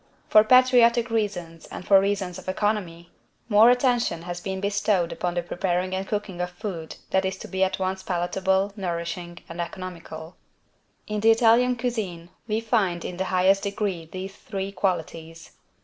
For patriotic reasons and for reasons of economy, more attention has been bestowed upon the preparing and cooking of food that is to be at once palatable, nourishing and economical. In the Italian =cuisine= we find in the highest degree these three qualities.